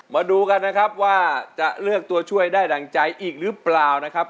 มาดูกันนะครับว่าจะเลือกตัวช่วยได้ดั่งใจอีกหรือเปล่านะครับ